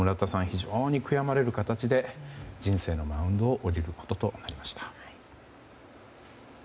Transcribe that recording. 非常に悔やまれる形で人生のマウンドを降りることとなりました。